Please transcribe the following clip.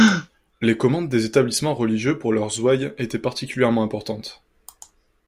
Les commandes des établissements religieux pour leurs ouailles étaient particulièrement importantes.